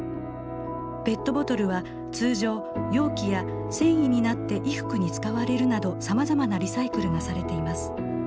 ペットボトルは通常容器や繊維になって衣服に使われるなどさまざまなリサイクルがされています。